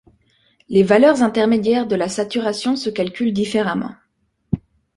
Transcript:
Les valeurs intermédiaires de la saturation se calculent différemment.